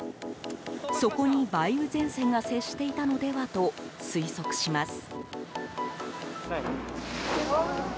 そこに梅雨前線が接していたのではと推測します。